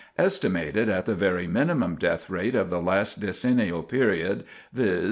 Estimated at the very minimum death rate of the last decennial period, viz.